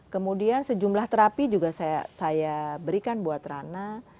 kemudian sejumlah terapi juga saya berikan buat rana